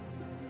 aku mau makan